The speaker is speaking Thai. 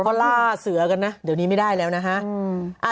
เขาล่าเสือกันนะเดี๋ยวนี้ไม่ได้แล้วนะฮะ